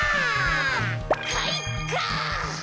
かいか！